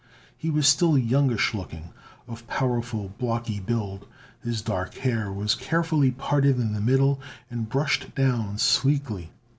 He was still youngish looking, of powerful, blocky build. His dark hair was carefully parted in the middle and brushed down sleekly.